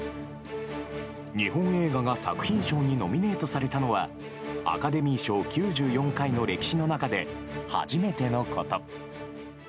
日本映画が作品賞にノミネートされたのは、アカデミー賞９４回の歴史の中で初めてのこと。